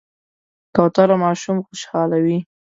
کوتره ماشومان خوشحالوي.